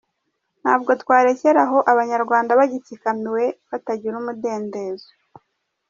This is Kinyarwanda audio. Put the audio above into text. Ntabwo twarekeraho Abanyarwanda bagitsikamiwe batagira umudendezo.